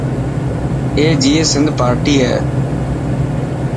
اي جئي سنڌ پارٽي هي.